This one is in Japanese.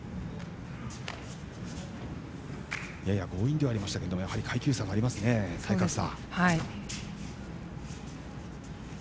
やや強引ではありましたがやはり階級差があります、体格差。